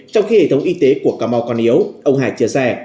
trong khi hệ thống y tế của cà mau còn yếu ông hải chia xe